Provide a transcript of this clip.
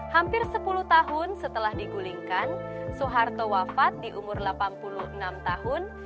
hampir sepuluh tahun setelah digulingkan soeharto wafat di umur delapan puluh enam tahun